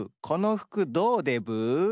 この服どうでブー？